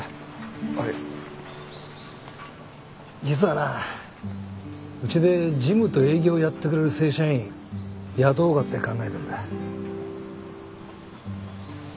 実はなうちで事務と営業やってくれる正社員雇おうかって考えてんだ。